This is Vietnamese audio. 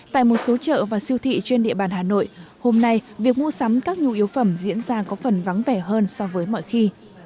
tại một số chợ và siêu thị trên địa bàn hà nội hôm nay việc mua sắm các nhu yếu phẩm diễn ra có phần vắng vẻ hơn so với mọi khi